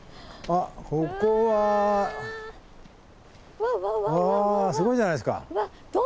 あすごいじゃないですか。